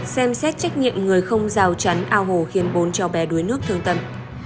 xem xét trách nhiệm người không rào chắn ao hồ khiến bốn cháu bé đuối nước thương tâm